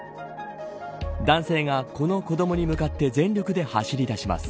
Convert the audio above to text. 男性が、この子どもに向かって全力で走り出します。